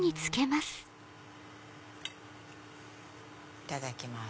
いただきます。